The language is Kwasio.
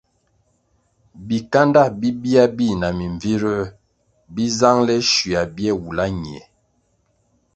Bikándá bibia bi na mimbviruer bi zangele schuia bie wula ñie.